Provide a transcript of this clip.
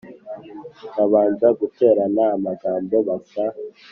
babanza guterana amagambo basa